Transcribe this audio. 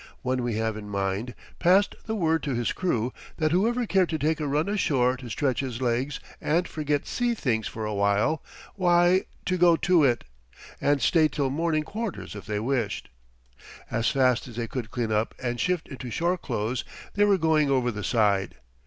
One we have in mind passed the word to his crew that whoever cared to take a run ashore to stretch his legs and forget sea things for a while, why to go to it. And stay till morning quarters if they wished. As fast as they could clean up and shift into shore clothes they were going over the side.